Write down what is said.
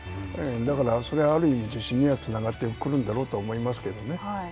だから、それはある意味自信にはつながってくるんだろうと思いますけどね。